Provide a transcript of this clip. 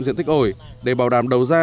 diện tích ổi để bảo đảm đầu ra